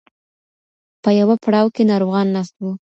په یوه پړاو کې ناروغان ناست وو.